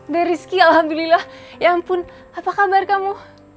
dari rizky alhamdulillah ya ampun apa kabar kamu